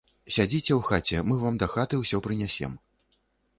Сядзіце ў хаце, мы вам дахаты ўсё прынясем.